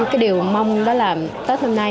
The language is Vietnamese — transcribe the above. cái điều mong đó là tết hôm nay